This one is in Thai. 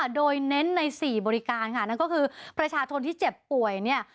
โดยเน้นใน๔บริการค่ะนั่นก็คือประชาชนที่เจ็บป่วยเนี่ย